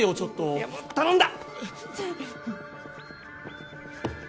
いやもう頼んだ！